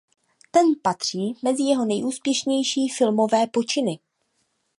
Ten patří mezi jeho nejúspěšnější filmové počiny.